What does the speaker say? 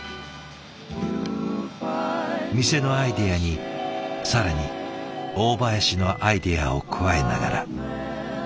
店のアイデアに更に大林のアイデアを加えながら。